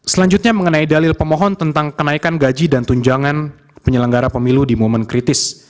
selanjutnya mengenai dalil pemohon tentang kenaikan gaji dan tunjangan penyelenggara pemilu di momen kritis